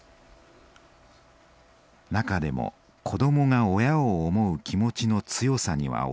中でも子どもが親を思う気持ちの強さには驚かされました。